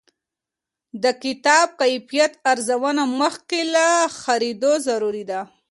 د کتاب کیفیت ارزونه مخکې له خرید ضروري ده.